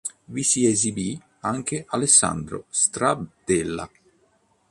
Vi si esibì anche Alessandro Stradella.